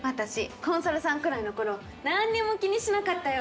コンサルさんくらいのころなんにも気にしなかったよ